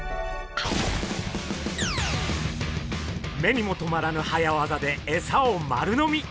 目にもとまらぬ早業でエサを丸飲み！